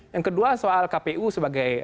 yang kedua soal kpu sebagai